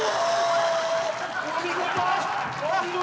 お見事。